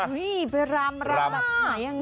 อุ้ยไปรำรำแบบไหนยังไงคะ